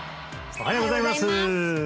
おはようございます